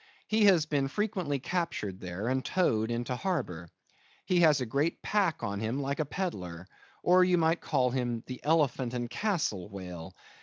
He has been frequently captured there, and towed into harbor. He has a great pack on him like a peddler; or you might call him the Elephant and Castle whale.